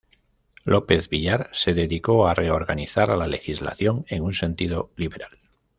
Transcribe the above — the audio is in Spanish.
López Villar se dedicó a reorganizar la legislación en un sentido liberal.